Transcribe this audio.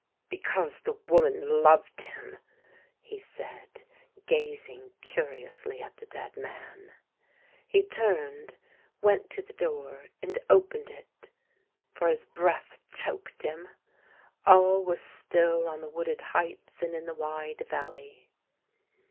" Because the woman loved him !" he said, gazing curiously at the dead man. He turned, went to the door and opened it, for his breath choked him. All was still on the wooded heights and in the wide valley.